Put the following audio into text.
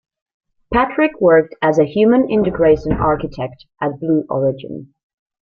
Patrick worked as a human integration architect at Blue Origin.